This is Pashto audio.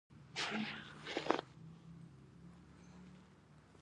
بزګان د افغانستان د اقتصادي ودې لپاره ارزښت لري.